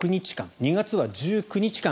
２月は１９日間。